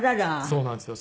そうなんですよ。